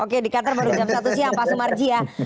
oke di qatar baru jam satu siang pak sumarji ya